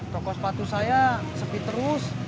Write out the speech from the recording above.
toko sepatu saya sepi terus